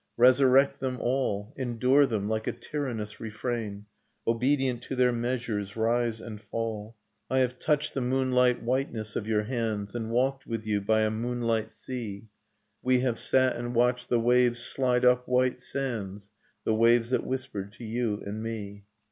Resurrect them all, Endure them, like a tyrannous refrain, — Obedient to their measures rise and fall. .. I have touched the moonlight whiteness of your hands And w^alked with you by a moonlight sea ; AVe have sat and w^atched the waves slide up white sands, Nocturne of Remembered Spring The waves that whispered to you and me.